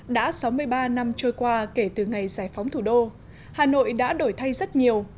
đã sáu mươi ba năm trôi qua kể từ ngày giải phóng thủ đô hà nội đã đổi thay rất nhiều